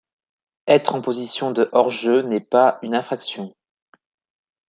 Être en position de hors-jeu n'est pas une infraction.